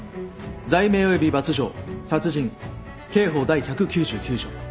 罪名および罰条殺人刑法第１９９条。